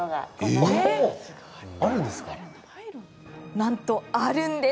なんと、あるんです！